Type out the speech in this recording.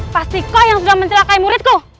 pasti kau yang sudah mencelakai muridku